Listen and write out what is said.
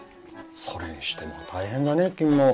それにしても大変だね君も。